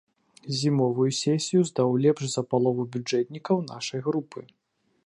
Зімовую сесію здаў лепш за палову бюджэтнікаў нашай групы.